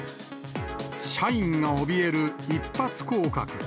社員がおびえる一発降格。